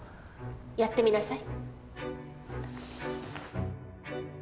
やってみなさい。